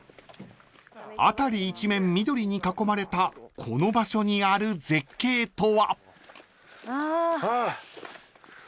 ［辺り一面緑に囲まれたこの場所にある絶景とは？］